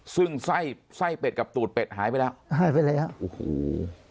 ซึ่งไส้เป็ดกับตูดเป็ดหายไปแล้วแหวนก็เหมือนทุกคน